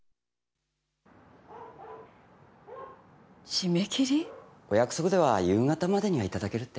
締め切り？お約束では夕方までには頂けるって。